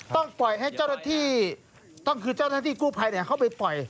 ต้องปล่อยให้เจ้าหน้าที่ต้องคือเจ้าหน้าที่กู้ภัยเข้าไปปล่อย